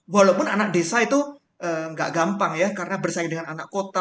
walaupun anak desa itu nggak gampang ya karena bersaing dengan anak kota